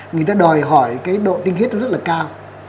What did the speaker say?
người ta đòi hỏi cái độ tinh khiết nó rất là cao